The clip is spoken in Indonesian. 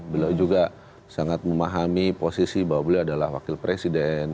beliau juga sangat memahami posisi bahwa beliau adalah wakil presiden